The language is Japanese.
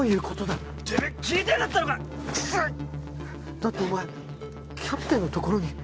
だってお前キャプテンのところに。